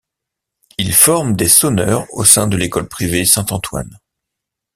Ils forment des sonneurs au sein de l'école privée Saint-Antoine.